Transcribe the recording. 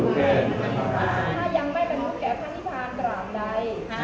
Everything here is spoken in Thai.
ถ้ายังไม่ประนุกแก่พนิพานตราบใด